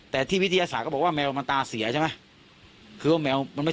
แต่ที่วิทยาศาสตร์ก็บอกว่าแมวมันตาเสียใช่ไหม